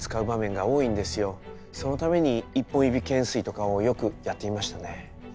そのために一本指懸垂とかをよくやっていましたね。